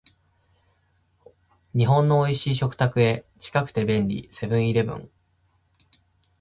日本の美味しい食卓へ、近くて便利、セブンイレブン